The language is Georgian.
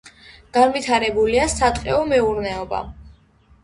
განვითარებულია სატყეო მეურნეობა.